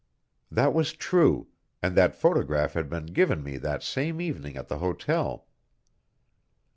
That was true, and that photograph had been given me that same evening at the hotel.